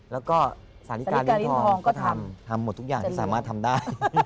แล้วก็สาธิการเหรียญทองก็ทำทำหมดทุกอย่างที่สามารถทำได้